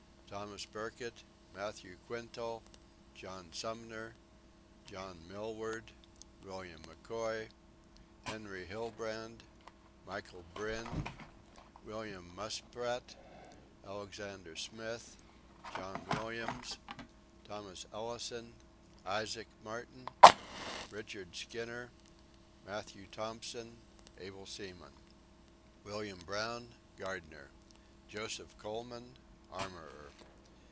Thomas Burkitt, Matthew Quintal, John Sumner, John Millward, William McKoy, Henry Hillbrant, Michael Byrne, William Musprat, Alexander Smith, John Williams, Thomas Ellison, Isaac Martin, Richard Skinner, Matthew Thompson: Able Seamen. William Brown: Gardener. Joseph Coleman: Armourer.